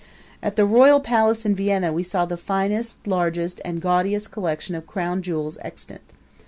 At the royal palace in Vienna we saw the finest, largest, and gaudiest collection of crown jewels extant.